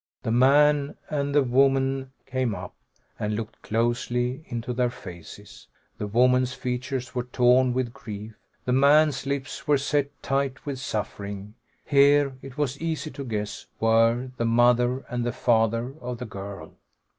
The man and the woman came up, and I looked closely into their faces. The woman's features were torn with grief; the man's lips were set tight with suffering. Here, it was easy to guess, were the mother and the father of the girl.